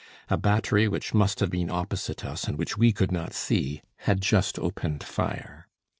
A battery which must have been opposite us and which we could not see, had just opened fire.